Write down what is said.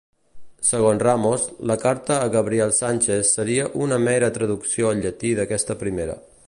Segons Ramos, la carta a Gabriel Sánchez seria una mera traducció al llatí d'aquesta primera.